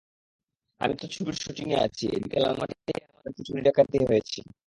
আমি তো ছবির শুটিংয়ে আছি, এদিকে লালমাটিয়ায় আমাদের বাড়িতে চুরি-ডাকাতি হয়েছে।